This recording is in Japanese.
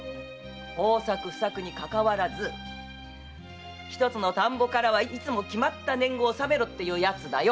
豊作不作にかかわらずひとつの田圃からいつも決まった年貢を納めろっていうやつだよ。